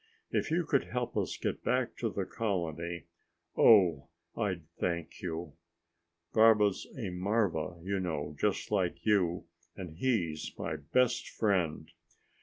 If you could help us get back to the colony, oh, I'd thank you! Baba's a marva, you know, just like you and he's my best friend.